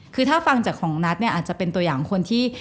คือถ้าฟังจากของนัทเนี่ยอาจจะเป็นตัวอย่างคนที่